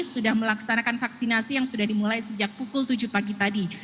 sudah melaksanakan vaksinasi yang sudah dimulai sejak pukul tujuh pagi tadi